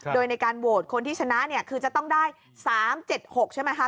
โดยในการโหวตคนที่ชนะเนี่ยคือจะต้องได้๓๗๖ใช่ไหมคะ